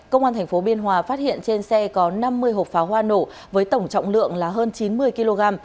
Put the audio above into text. công an tp biên hòa phát hiện trên xe có năm mươi hộp pháo hoa nổ với tổng trọng lượng là hơn chín mươi kg